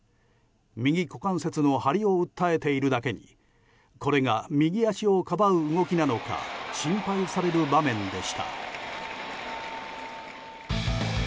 右股関節の張りを訴えているだけにこれが右足をかばう動きなのか心配される場面でした。